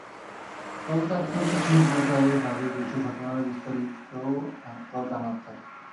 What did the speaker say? তবে তাৎক্ষণিক সেই প্রচারের ফাঁকে কিছু ঘটনার বিস্তারিতও তো জানার থাকে।